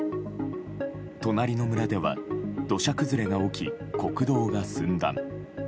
隣の村では、土砂崩れが起き国道が寸断。